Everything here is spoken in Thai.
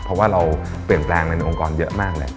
เพราะว่าเราเปลี่ยนแปลงไปในองค์กรเยอะมากแหละ